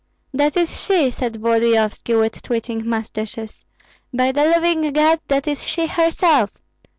"That is she!" said Volodyovski, with twitching mustaches. "By the living God, that is she herself!"